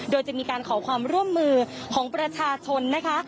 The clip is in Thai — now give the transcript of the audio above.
โดยจะมีการขอความร่วมมือของประชาชนนะคะ